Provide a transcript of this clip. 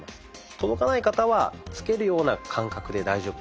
届かない方はつけるような感覚で大丈夫です。